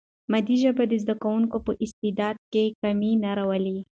مادي ژبه د زده کوونکي په استعداد کې کمی نه راولي.